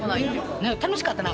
ねっ楽しかったな。